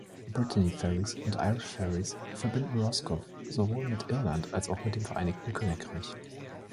Brittany Ferries und Irish Ferries verbinden Roscoff sowohl mit Irland als auch mit dem Vereinigten Königreich.